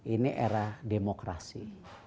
ini era demokrasi